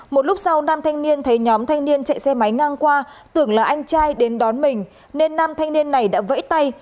một lúc sau nam thanh niên thấy nhóm thanh niên chạy xe máy ngang qua tưởng là anh trai đến đón mình nên nam thanh niên này đã vẫy tay